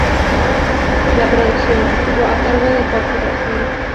La producción estuvo a cargo de Jorge Rosell.